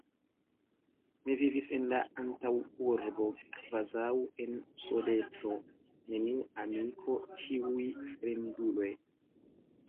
Mi vivis en la antaŭurbo kvazaŭ en soleco, neniu amiko, ĉiuj fremduloj!